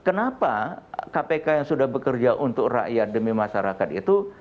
kenapa kpk yang sudah bekerja untuk rakyat demi masyarakat itu